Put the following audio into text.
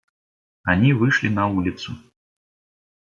Они вышли на улицу.